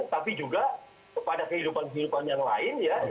tapi juga pada kehidupan kehidupan yang lain ya